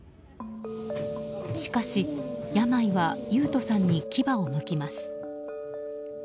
しかし、病は維斗さんに牙をむきます。